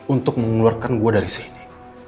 untuk mengeluarkan gua dari sini